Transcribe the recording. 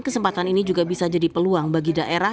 kesempatan ini juga bisa jadi peluang bagi daerah